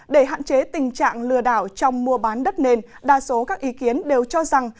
để hạn chế tình trạng lừa đảo trong mua bán đất nền đa số các ý kiến đều cho rằng